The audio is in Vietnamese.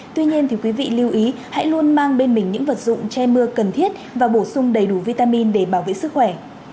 tuy nhiên quý vị lưu ý hãy luôn mang bên mình những vật dụng che mưa cần thiết và bổ sung đầy đủ vitamin để bảo vệ sức khỏe